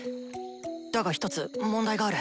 だがひとつ問題がある！